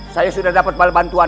saya sudah dapat bantuan